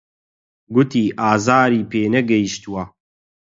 گوتی ئازاری پێ نەگەیشتووە.